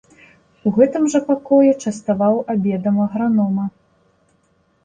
У гэтым жа пакоі частаваў абедам агранома.